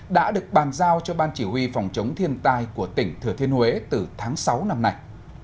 đã được bàn giao cho ban chỉ huy phòng chống thiên tai của tỉnh thừa thiên huế từ tháng sáu năm nay